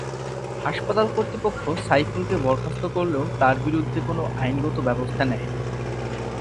হাসপাতাল কর্তৃপক্ষ সাইফুলকে বরখাস্ত করলেও তাঁর বিরুদ্ধে কোনো আইনগত ব্যবস্থা নেয়নি।